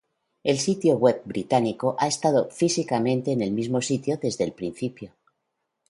El sitio web británico ha estado físicamente en el mismo sitio desde el principio.